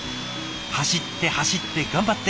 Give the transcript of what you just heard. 走って走って頑張って！